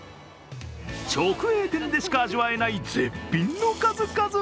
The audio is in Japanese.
直営店でしか味わえない絶品の数々。